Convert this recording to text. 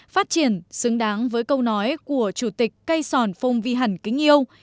phát triển xứng đáng với câu nói của chủ tịch cây sòn phong vi hẳn kính yêu